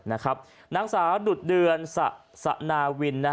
นางสาวดุดเดือนสนาวิน